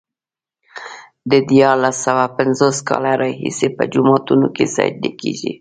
د دیارلس سوه پنځوس کاله راهيسې په جوماتونو کې سجدې کېږي.